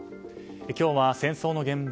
今日は戦争の現場